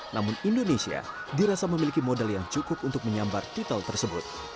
namun indonesia dirasa memiliki modal yang cukup untuk menyambar titel tersebut